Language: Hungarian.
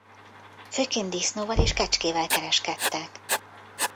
Főként disznóval és kecskével kereskedtek.